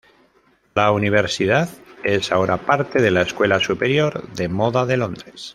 La universidad es ahora parte de la Escuela Superior de Moda de Londres.